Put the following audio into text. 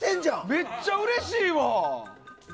めっちゃうれしいわ！